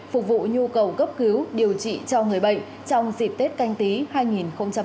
phục vụ nhu cầu cấp cứu điều trị cho người bệnh trong dịp tết canh tí hai nghìn hai mươi